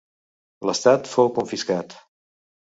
L'estat fou confiscat.